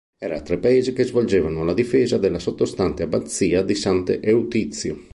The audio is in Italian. Era tra i paesi che svolgevano la difesa della sottostante abbazia di Sant'Eutizio.